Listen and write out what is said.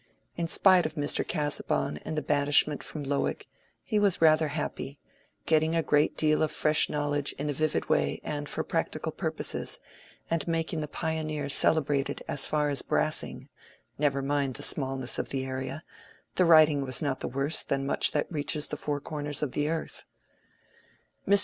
In spite of Mr. Casaubon and the banishment from Lowick, he was rather happy; getting a great deal of fresh knowledge in a vivid way and for practical purposes, and making the "Pioneer" celebrated as far as Brassing (never mind the smallness of the area; the writing was not worse than much that reaches the four corners of the earth). Mr.